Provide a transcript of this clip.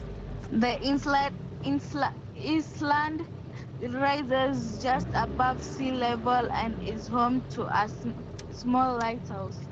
The island rises just above sea level and is home to a small lighthouse.